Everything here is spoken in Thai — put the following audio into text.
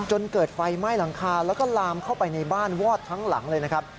จนเกิดไฟไหม้หลังคาแล้วก็ลามเข้าไปในบ้านวอดทั้งหลังเลยนะครับ